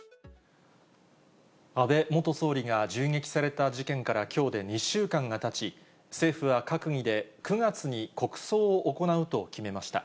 安倍元総理が銃撃された事件から、きょうで２週間がたち、政府は閣議で９月に国葬を行うと決めました。